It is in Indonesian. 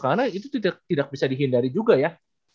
karena itu tidak bisa dihindari juga ya